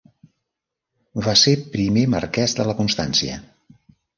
Va ser primer marquès de la Constància.